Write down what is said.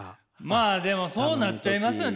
まあでもそうなっちゃいますよ。